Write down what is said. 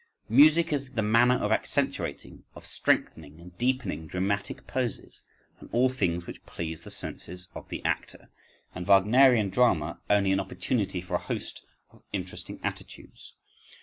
Music as the manner of accentuating, of strengthening, and deepening dramatic poses and all things which please the senses of the actor; and Wagnerian drama only an opportunity for a host of interesting attitudes!